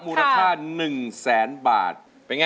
มูลค่า๑แสนบาท